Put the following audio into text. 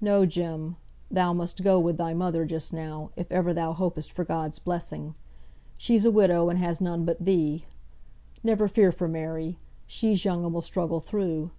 No, Jem! thou must go with thy mother just now, if ever thou hopest for God's blessing. She's a widow, and has none but thee. Never fear for Mary! She's young and will struggle through.